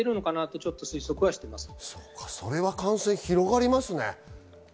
違それは感染広がりますね。